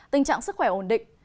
tình trạng sức khỏe ổn định